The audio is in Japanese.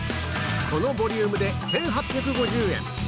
このボリュームで１８５０円